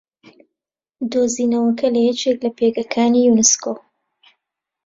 دوزینەوەکە لە یەکێک لە پێگەکانی یوونسکۆ